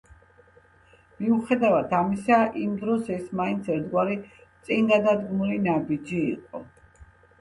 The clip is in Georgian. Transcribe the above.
მიუხედავად ამისა, იმ დროს ეს მაინც ერთგვარი წინგადადგმული ნაბიჯი იყო.